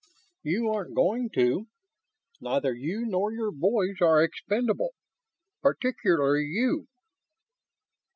"You aren't going to. Neither you nor your boys are expendable. Particularly you."